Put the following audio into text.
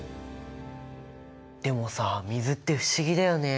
でもさ水って不思議だよね。